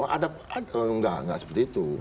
oh ada enggak enggak seperti itu